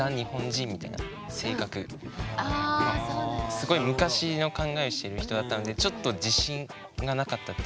すごい昔の考えをしてる人だったんでちょっと自信がなかったっていうか。